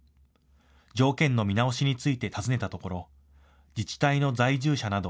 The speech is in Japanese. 条件の見直しについて尋ねたところ自治体の在住者など